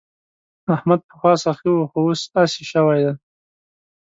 احمد پخوا سخي وو خو اوس اسي شوی دی.